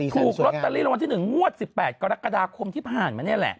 ถูกลอตเตอรี่รางวัลที่๑งวด๑๘กรกฎาคมที่ผ่านมานี่แหละ